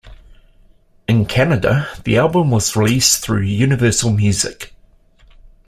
In Canada, the album was released through Universal Music.